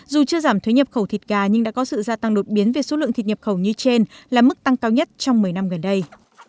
dù chưa giảm thuế nhập khẩu thịt gà nhưng đã có sự gia tăng đột biến về số lượng thịt nhập khẩu như trên là mức tăng cao nhất trong một mươi năm gần đây